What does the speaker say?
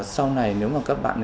sau này nếu mà các bạn